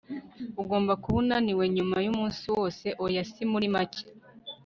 ugomba kuba unaniwe nyuma yumunsi wose. oya, si muri make